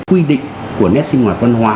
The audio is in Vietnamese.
quy định của nét sinh hoạt văn hóa